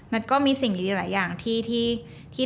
ก็มีสิ่งดีหลายอย่างที่